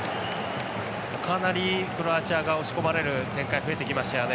かなりクロアチアが押し込まれる展開が増えてきましたよね。